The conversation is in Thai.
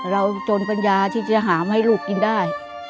จนปัญญาที่จะหามให้ลูกกินได้